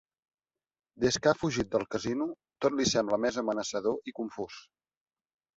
Des que ha fugit del casino tot li sembla més amenaçador i confús.